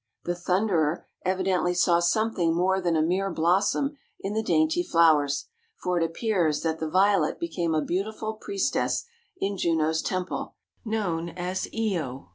The Thunderer evidently saw something more than a mere blossom in the dainty flowers, for it appears that the Violet became a beautiful priestess in Juno's temple, known as Io.